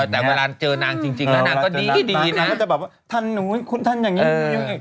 แต่เวลาเจอนางจริงแล้วนางก็ดีดีนะนางก็จะแบบว่าท่านหนูคุณท่านอย่างงี้อยู่อย่างงี้